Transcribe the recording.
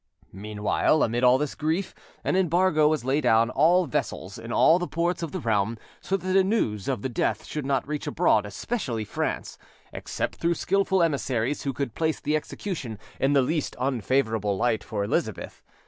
Meanwhile, amid all this grief, an embargo was laid on all vessels in all the ports of the realm, so that the news of the death should not reach abroad, especially France, except through skilful emissaries who could place the execution in the least unfavourable light for Elizabeth.